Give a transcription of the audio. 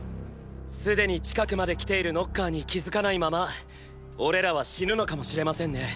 すでに近くまで来ているノッカーに気付かないまま俺らは死ぬのかもしれませんね。